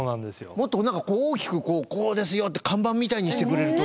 もっと何かこう大きくこうですよって看板みたいにしてくれると。